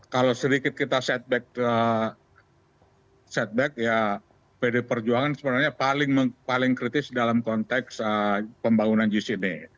kalau sedikit kita setback setback ya pd perjuangan sebenarnya paling kritis dalam konteks pembangunan jis ini